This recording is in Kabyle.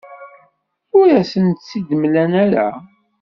Ur asent-tt-id-mlan ara.